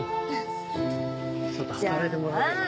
ちょっと働いてもらわないとな。